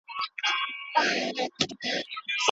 که مقابل طرف ځوريږي، هغه کړنه او وينا دي پريږدي.